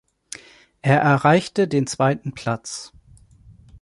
Er erreichte den zweiten Platz.